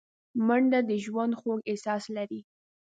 منډه د ژوند خوږ احساس لري